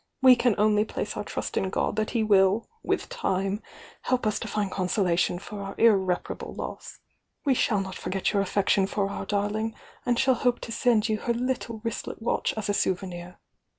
We can only place our trust in God that He will, with time, help us to find consolation for our irreparable loss We ^all not forget your affection for our darling, and shall hope to send you her little wristlet watch as a souvenir.